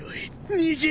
逃げろ！